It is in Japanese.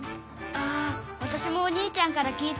あわたしもお兄ちゃんから聞いた。